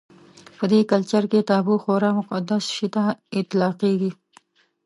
په دې کلچر کې تابو خورا مقدس شي ته اطلاقېږي.